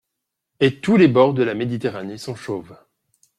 Et tous les bords de la Méditerranée sont chauves.